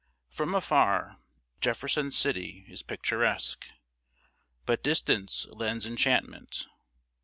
From afar, Jefferson City is picturesque; but distance lends enchantment.